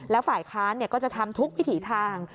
แล้วฝ่ายค้านก็จะทำทุกวิถีทาง